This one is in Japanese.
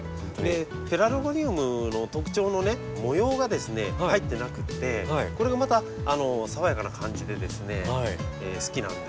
ペラルゴニウムの特徴の模様がですね入ってなくてこれがまた爽やかな感じでですね好きなんですよ。